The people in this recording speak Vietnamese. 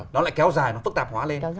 nó lại kéo dài nó phức tạp hóa lên